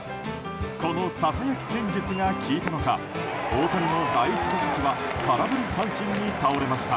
このささやき戦術が効いたのか大谷の第１打席は空振り三振に倒れました。